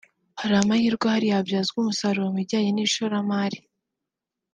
Hari amahirwe ahari yabyazwa umusaruro mu bijyanye n’ishoramari